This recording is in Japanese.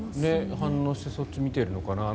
反応してそっちを見ているのかなと。